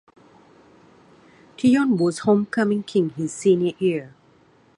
Teyon was Homecoming King his senior year.